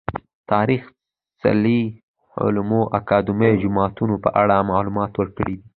تاريخي څلي، علومو اکادميو، جوماتونه په اړه معلومات ورکړي دي .